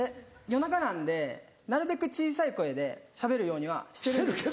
夜中なんでなるべく小さい声でしゃべるようにはしてるんです。